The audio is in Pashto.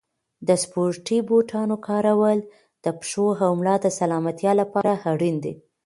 د سپورتي بوټانو کارول د پښو او ملا د سلامتیا لپاره اړین دي.